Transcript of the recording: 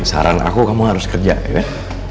saran aku kamu harus kerja ya